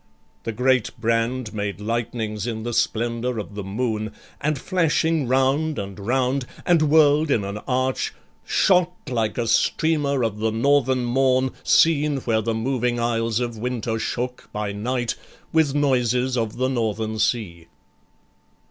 The great brand Made lightnings in the splendor of the moon, And flashing round and round, and whirl'd in an arch, Shot like a streamer of the northern morn, Seen where the moving isles of winter shook By night, with noises of the Northern Sea.